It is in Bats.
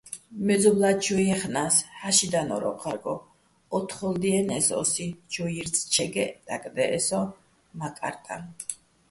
მეზობლა́ჩუ ჲეხნა́ს, ჰ̦ა́ში დანო́რ ოჴარგო, ო́თთხოლ დიენე́ს ო́სი, ჩუ ჲირწჩეგეჸ დაკდე́ჸე სოჼ მა́კარტაჼ.